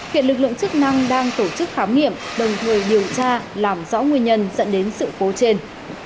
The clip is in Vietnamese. hiện lực lượng chức năng đang tổ chức khám nghiệm đồng thời điều tra làm rõ nguyên nhân dẫn đến sự cố trên